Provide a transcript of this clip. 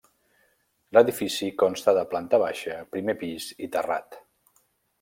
L'edifici consta de planta baixa, primer pis i terrat.